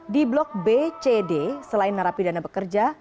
di blok b c d selain menerapi dana bekerja